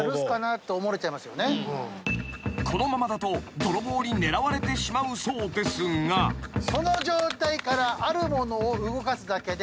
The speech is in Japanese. ［このままだと泥棒に狙われてしまうそうですが］いったい。